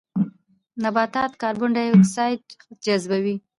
نباتات کاربن ډای اکسایډ جذبوي